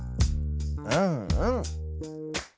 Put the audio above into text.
うんうん。